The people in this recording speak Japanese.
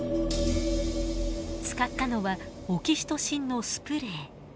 使ったのはオキシトシンのスプレー。